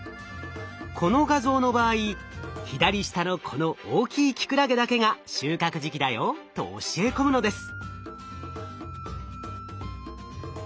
この画像の場合「左下のこの大きいキクラゲだけが収穫時期だよ」と教え込むのです。